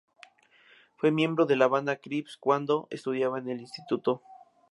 Fue miembro de la banda Crips cuando estudiaba en el instituto.